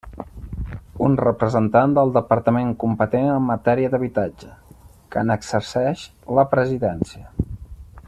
Un representant del departament competent en matèria d'habitatge, que n'exerceix la presidència.